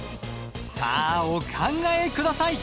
さあお考え下さい。